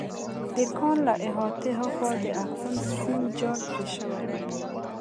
د کان له احاطې هاخوا د اغزن سیم جال پرې شوی و